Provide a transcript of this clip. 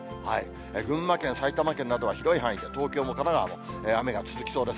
群馬県、埼玉県などは広い範囲、東京や神奈川と、雨が続きそうです。